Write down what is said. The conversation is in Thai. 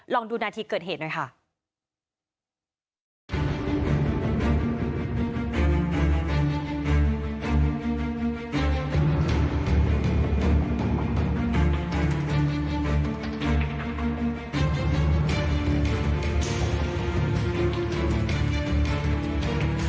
ลองดูนาทีเกิดเหตุหน่อยค่ะ